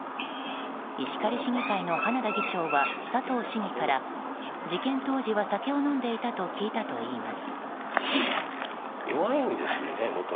石狩市議会の花田議長は佐藤市議から事件当時は、酒を飲んでいたと聞いたといいます。